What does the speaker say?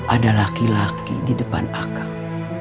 ada laki laki di depan akang